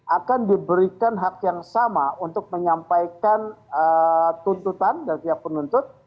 akan diberikan hak yang sama untuk menyampaikan tuntutan dari pihak penuntut